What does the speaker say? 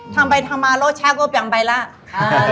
ทำไปทำมารถแช่ก็เปลี่ยนไปแล้ว